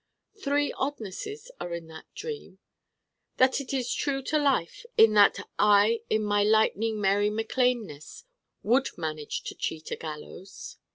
_ Three oddnesses are in that dream: that it is true to life in that I in my lightning Mary Mac Lane ness would manage to cheat a gallows.